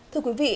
thưa quý vị